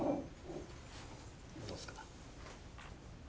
どうですか？